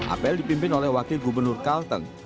apel dipimpin oleh wakil gubernur kalteng